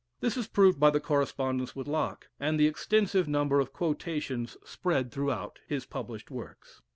This is proved by the correspondence with Locke, and the extensive number of quotations spread throughout his published works.